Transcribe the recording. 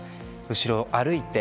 後ろを歩いて。